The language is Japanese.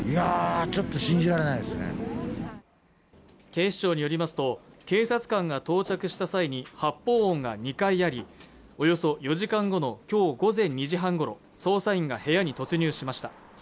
警視庁によりますと警察官が到着した際に発砲音が２回ありおよそ４時間後のきょう午前２時半ごろ捜査員が部屋に突入しました